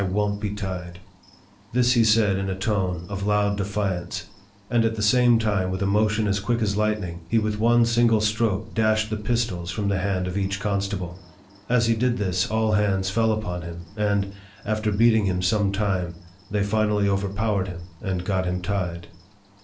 won't le tied !" This he said in a tone of loud defiance ; and at the same time, with a motion as quick as lightning, he with one 'single stroke dashed the pistols from the hand of each constable. As he did this, all hands fell upon him, and, after beating him some time, they finally over powered him, and got him tied.